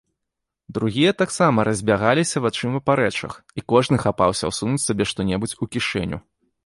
Другія таксама разбягаліся вачыма па рэчах, і кожны хапаўся ўсунуць сабе што-небудзь у кішэню.